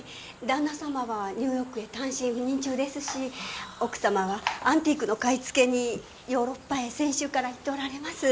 旦那様はニューヨークへ単身赴任中ですし奥様はアンティークの買い付けにヨーロッパへ先週から行っておられます。